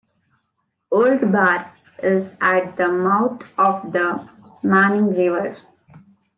Old Bar is at the mouth of the Manning River.